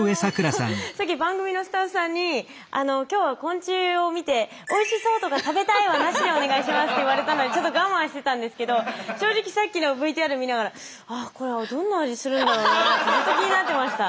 さっき番組のスタッフさんに「今日は昆虫を見ておいしそうとか食べたいはなしでお願いします」って言われたのでちょっと我慢してたんですけど正直さっきのＶＴＲ見ながらってずっと気になってました。